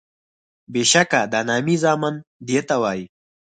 بیشکه د نامي زامن دیته وایي